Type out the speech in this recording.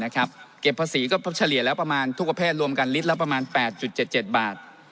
เก็บภาษีก็เฉลี่ยแล้วประมาณทุกประเภทรวมกันลิตรละประมาณ๘๗๗บาท